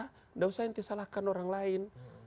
nggak usah ente salahkan orang lain